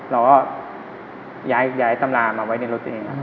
เราก็ย้ายตำรามาไว้ในรถตัวเอง